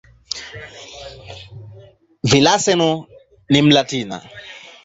Villaseñor ni "Mlatina".